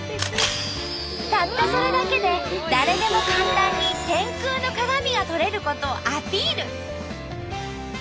たったそれだけで誰でも簡単に天空の鏡が撮れることをアピール。